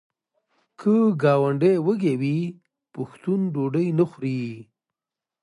که ګاونډی وږی وي پښتون ډوډۍ نه خوري.